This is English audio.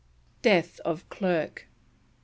DEATH OF CLERKE.